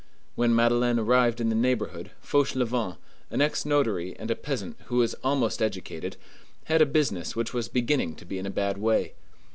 When Madeleine arrived in the neighborhood, Fauchelevent, an ex notary and a peasant who was almost educated, had a business which was beginning to be in a bad way.